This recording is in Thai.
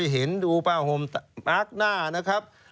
เห็นดูป่ะห่อมอักหน้า